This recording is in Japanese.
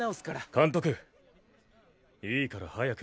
監督いいから早く。